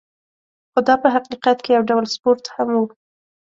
خو دا په حقیقت کې یو ډول سپورت هم و.